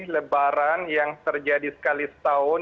lebaran yang terjadi sekali setahun